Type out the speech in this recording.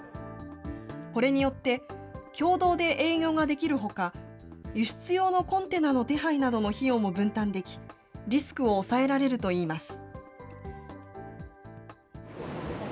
これによって共同で営業ができるほか、輸出用のコンテナの手配などの費用も分担でき、リスクを抑えられるといいます。